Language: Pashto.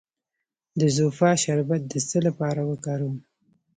د زوفا شربت د څه لپاره وکاروم؟